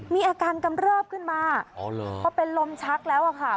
มีอาการกำเริบขึ้นมาพอเป็นลมชักแล้วอะค่ะ